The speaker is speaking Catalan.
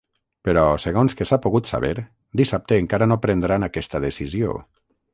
Però, segons que s’ha pogut saber, dissabte encara no prendran aquesta decisió.